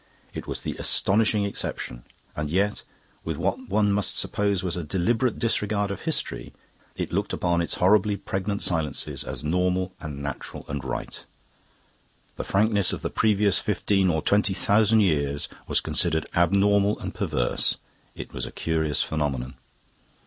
It was the astonishing exception. And yet, with what one must suppose was a deliberate disregard of history, it looked upon its horribly pregnant silences as normal and natural and right; the frankness of the previous fifteen or twenty thousand years was considered abnormal and perverse. It was a curious phenomenon."